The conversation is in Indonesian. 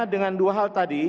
dengan dua hal tadi